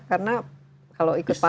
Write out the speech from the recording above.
karena kalau ikut partai